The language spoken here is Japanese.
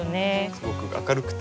すごく明るくて。